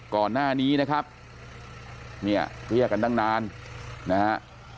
ก่อนหน้านี้นะครับเนี่ยเรียกกันตั้งนานนะฮะ